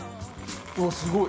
うわすごい。